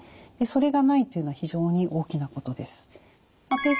それがないっていうのは非常に大きなことです。